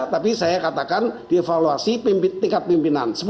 tapi saya katakan dievaluasi tingkat pimpinan